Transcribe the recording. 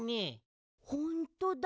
ほんとだ。